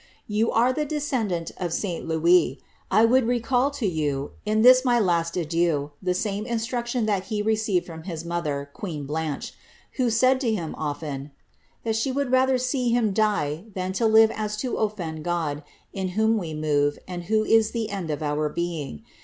"* You are the descendant of St Louis. I would recal to you, in this my last adieu, the same instruction that he received from his mother, queen Blanche, who ia:d to him often * that she would rather see him die than to live so as to olfend God, in whom we move, and who is the end of our being.